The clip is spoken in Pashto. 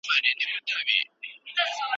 که نه اشاره وي او نه نوم، طلاق څنګه پيښیږي؟